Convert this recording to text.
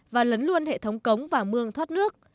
và lấn luôn hệ thống cống và mương thoát nước